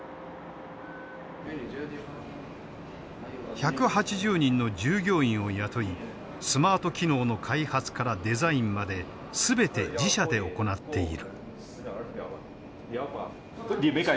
１８０人の従業員を雇いスマート機能の開発からデザインまで全て自社で行っている。